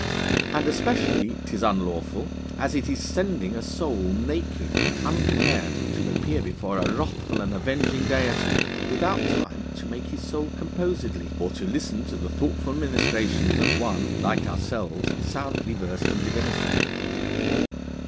And especially 'tis unlawful, as it is sending a Soul naked and unprepared to appear before a wrathful and avenging Deity without time to make his Soul composedly or to listen to the thoughtful ministrations of one (like ourselves) soundly versed in Divinity.